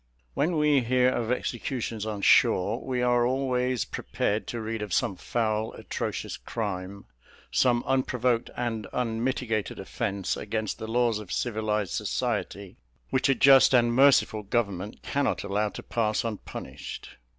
When we hear of executions on shore, we are always prepared to read of some foul atrocious crime, some unprovoked and unmitigated offence against the laws of civilized society, which a just and merciful government cannot allow to pass unpunished.